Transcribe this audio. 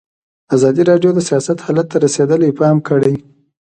ازادي راډیو د سیاست حالت ته رسېدلي پام کړی.